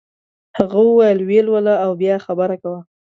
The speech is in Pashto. هغه وویل ویې لوله او بیا خبره کوه.